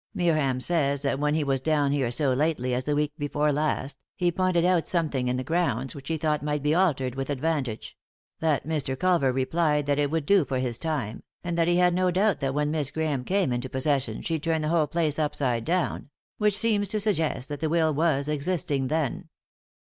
Meerham says that when he was down here so lately as the week before last, he pointed out something in the grounds which he thought might be altered with advantage ; that Mr. Culver re plied that it would do for his time, and that he had no doubt that when Miss Grahame came into possession 4« 3i 9 iii^d by Google THE INTERRUPTED KISS she'd turn the whole place upside down — which seems to suggest that the will was existing then."